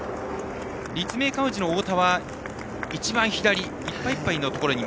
立命館宇治の太田は一番左いっぱいいっぱいのところ。